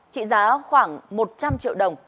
trị giá khoảng một trăm linh triệu đồng